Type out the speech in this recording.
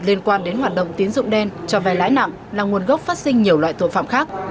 liên quan đến hoạt động tín dụng đen cho vay lãi nặng là nguồn gốc phát sinh nhiều loại tội phạm khác